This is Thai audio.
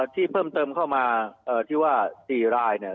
ที่เพิ่มเติมเข้ามาที่ว่า๔รายเนี่ย